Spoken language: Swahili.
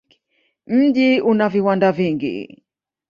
Mji una viwanda vingi.